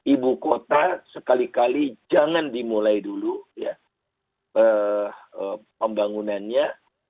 ibu kota sekali kali jangan dimulai dulu pembangunannya